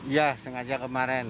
iya sengaja kemarin